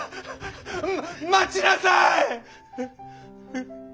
待ちなさい！